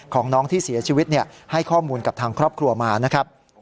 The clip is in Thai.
ของน้องที่เสียชีวิตให้ข้อมูลกับทางครอบครัวมานะครับ